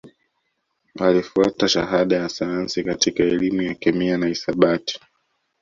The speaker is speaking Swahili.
Alifuata Shahada ya Sayansi katika Elimu ya Kemia na Hisabati